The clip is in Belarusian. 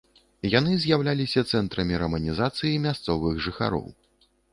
Яны з'яўляліся цэнтрамі раманізацыі мясцовых жыхароў.